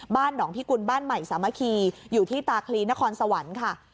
หนองพิกุลบ้านใหม่สามัคคีอยู่ที่ตาคลีนครสวรรค์ค่ะ